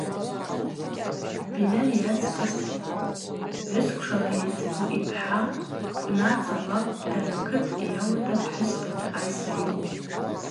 Бильаль йацкӏыс гӏвысквшала йайцӏбу йпхӏа Кӏвнаца лакӏвпӏ дара ркыт йауата пхӏвыспата айсра йаъу.